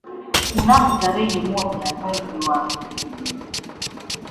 Kunako tarehe moja mwezi wa pili